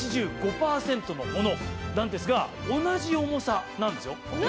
のものなんですが同じ重さなんですよ。